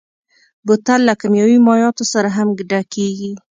بوتل له کيمیاوي مایعاتو سره هم ډکېږي.